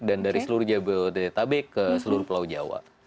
dan dari seluruh jabodetabek ke seluruh pulau jawa